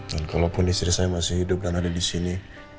dan kalaupun istri saya masih hidup dan ada disini